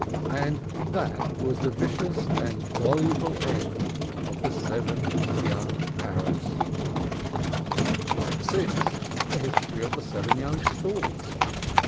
And that was the vicious and voluble end of the seven young Parrots. CHAPTER VI. THE HISTORY OF THE SEVEN YOUNG STORKS.